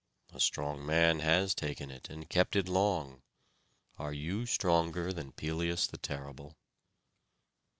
"A strong man has taken it and kept it long. Are you stronger than Pelias the terrible?"